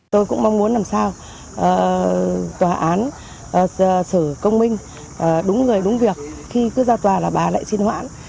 tôi cũng mong muốn làm sao tòa án xử công minh đúng người đúng việc khi cứ ra tòa là bà lại xin hoãn